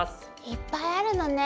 いっぱいあるのね。